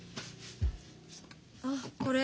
あっこれ。